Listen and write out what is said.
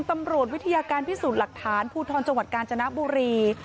ตำรวจวิทยาการพิสูจน์หลักฐานภูทรจังหวัดกาญจนบุรี